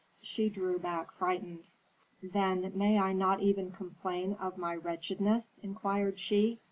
She drew back frightened. "Then may I not even complain of my wretchedness?" inquired she.